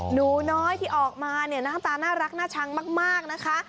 หนูน้อยที่ออกมาเนี่ยหน้าตาน่ารักน่าชังมากนะคะ